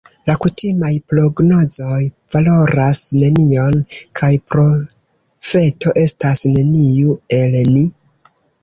La kutimaj prognozoj valoras nenion, kaj profeto estas neniu el ni.